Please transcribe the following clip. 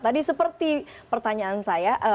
tadi seperti pertanyaan saya